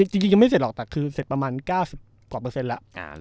จริงยังไม่เสร็จหรอกแต่คือเสร็จประมาณ๙๐กว่าเปอร์เซ็นต์แล้ว